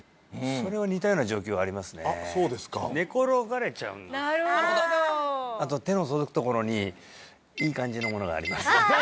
それは似たような状況ありますね寝転がれちゃうんですなるほどあと手の届くところにいい感じのものがあります